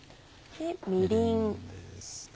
みりんです。